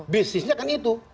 bisnisnya kan itu